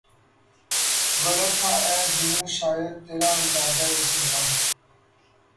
غلط تھا اے جنوں شاید ترا اندازۂ صحرا